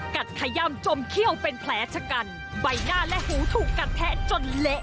ขย่ำจมเขี้ยวเป็นแผลชะกันใบหน้าและหูถูกกัดแทะจนเละ